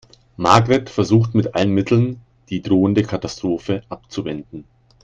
Margret versucht mit allen Mitteln, die drohende Katastrophe abzuwenden.